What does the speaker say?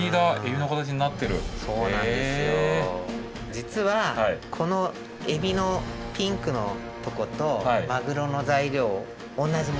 実はこのエビのピンクのとことマグロの材料同じものなんです。